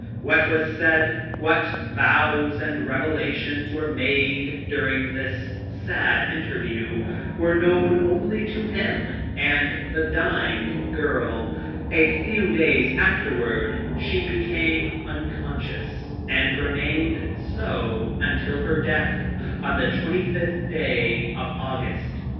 What was said, what vows and revelations were made during this sad interview, were known only to him and the dying girl. A few days afterward she became un conscious and remained so until. her death on the 25th day of August, 1835.